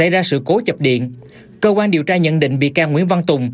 đã sắp bước sang năm thứ một mươi